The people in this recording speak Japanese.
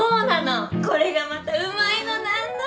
これがまたうまいの何のって。